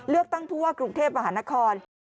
เลือกตั้งทั่วกรุงเทพฯมหานคร